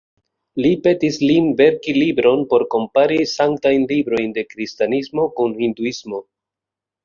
Li petis lin verki libron por kompari sanktajn librojn de kristanismo kun hinduismo.